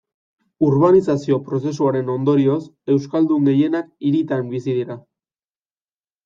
Urbanizazio prozesuaren ondorioz, euskaldun gehienak hirietan bizi dira.